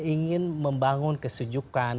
ingin membangun kesujukan